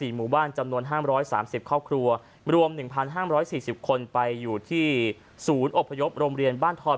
หมู่บ้านจำนวน๕๓๐ครอบครัวรวม๑๕๔๐คนไปอยู่ที่ศูนย์อบพยพโรงเรียนบ้านทอน